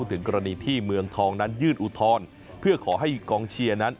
ถึงกรณีที่เมืองทองนั้นยื่นอุทธรณ์เพื่อขอให้กองเชียร์นั้น